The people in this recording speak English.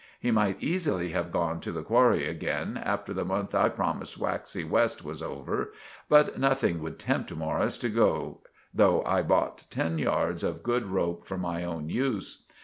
We might eesily have gone to the qwarry again, after the month I promised Waxy West was over, but nothing would tempt Morris to go, though I bought ten yards of good rope for my own use.